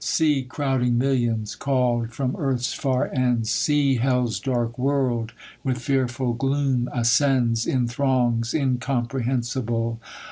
See crowding millions, call'd from earth's far ends, See hell's da'i'k world, with fearful gloom, ascends, In throngs incomprehensible